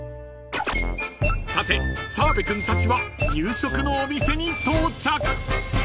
［さて澤部君たちは夕食のお店に到着］